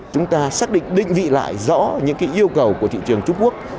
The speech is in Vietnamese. chúng ta xác định định vị lại rõ những yêu cầu của thị trường trung quốc